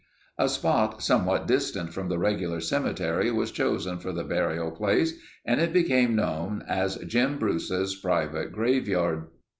A spot somewhat distant from the regular cemetery was chosen for the burial place and it became known as Jim Bruce's private graveyard.